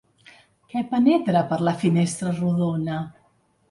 Què penetra per la finestra rodona?